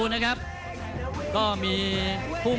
ท่านแรกครับจันทรุ่ม